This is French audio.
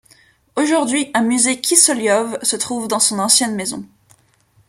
Aujourd'hui un musée Kisseliov se trouve dans son ancienne maison.